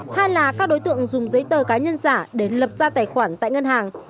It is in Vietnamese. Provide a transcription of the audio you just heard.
hai là các đối tượng dùng giấy tờ cá nhân giả để lập ra tài khoản tại ngân hàng